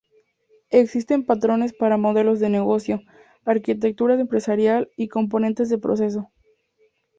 Existen patrones para modelos de negocio, arquitecturas empresariales y componentes de procesos.